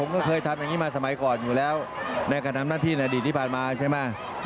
ก็เคยทำอย่างนี้มาสมัยก่อนอยู่แล้วในการทำหน้าที่ในอดีตที่ผ่านมาใช่ไหม